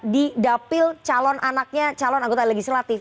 di dapil calon anaknya calon anggota legislatif